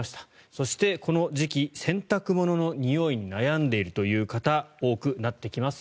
そしてこの時期洗濯物のにおいに悩んでいるという方多くなってきます。